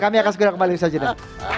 kami akan segera kembali ke sajiannya